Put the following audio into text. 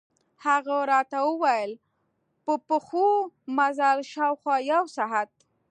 هغه راته ووېل په پښو مزل، شاوخوا یو ساعت.